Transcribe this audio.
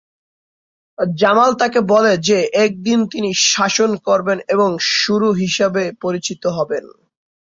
জামাল তাকে বলে যে একদিন তিনি শাসন করবেন এবং গুরু হিসাবে পরিচিত হবেন।